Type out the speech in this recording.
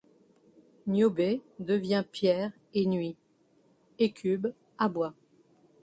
Niobé devient pierre et nuit ; Hécube aboie.